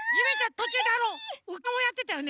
とちゅうであのうきわもやってたよね